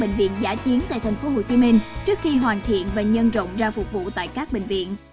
bệnh viện giả chiến tại tp hcm trước khi hoàn thiện và nhân rộng ra phục vụ tại các bệnh viện